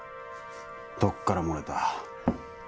どっから漏れた？